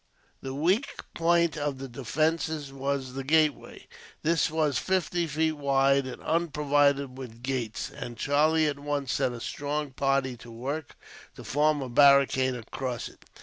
The weak point of the defences was the gateway. This was fifty feet wide, and unprovided with gates; and Charlie at once set a strong party to work, to form a barricade across it.